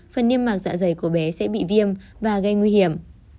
phần niêm mạc dạ dày của bé sẽ bị viêm và gây nguy hiểm